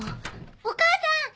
お母さん！